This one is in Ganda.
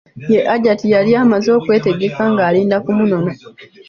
Ye Hajati yali amaze okwetegekka ng'alinda kumunona.